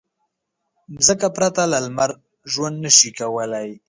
مځکه پرته له لمر ژوند نه شي کولی.